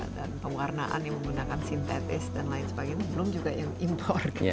dan pewarnaan yang menggunakan sintetis dan lain sebagainya